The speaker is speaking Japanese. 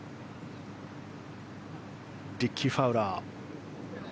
リッキー・ファウラー。